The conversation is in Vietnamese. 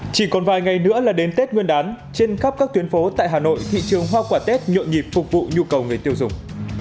chỉ còn vài ngày nữa là đến tết nguyên đán trên khắp các tuyến phố tại hà nội thị trường hoa quả tết nhộn nhịp phục vụ nhu cầu người tiêu dùng